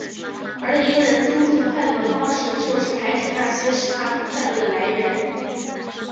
而一个人增进快乐的方式就是排除那些使他不快乐的来源。